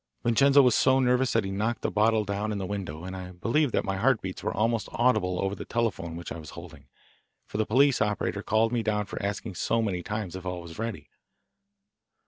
Vincenzo was so nervous that he knocked a bottle down in the window, and I believe that my heartbeats were almost audible over the telephone which I was holding, for the police operator called me down for asking so many times if all was ready.